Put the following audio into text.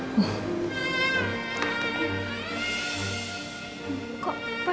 renan renan renan